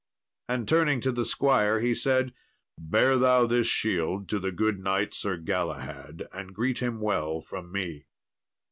And turning to the squire, he said, "Bear thou this shield to the good knight, Sir Galahad, and greet him well from me."